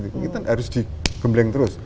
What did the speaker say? kita harus digembleng terus